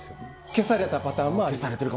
消されたパターンもある？